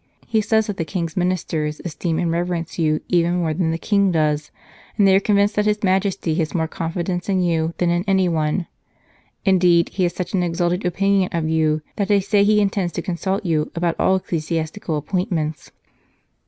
He says that the King s Ministers esteem and reverence you even more than the King does, and they are 187 St. Charles Borromeo convinced that His Majesty has more confidence in you than in anyone. Indeed, he has such an exalted opinion of you that they say he intends to consult you about all ecclesiastical appointments."